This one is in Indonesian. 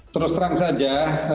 terus terang saja